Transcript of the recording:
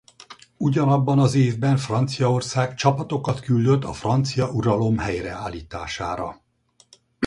Ugyanabban az évben Franciaország csapatokat küldött a francia uralom helyreállítására.